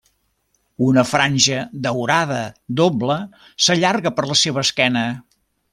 Una franja daurada doble s'allarga per la seva esquena.